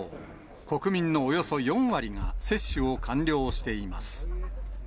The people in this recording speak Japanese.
国民のおよそ４割が接種を完了しています。